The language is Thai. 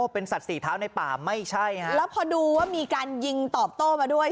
เป็นสัตว์สี่เท้าในป่าไม่ใช่ฮะแล้วพอดูว่ามีการยิงตอบโต้มาด้วย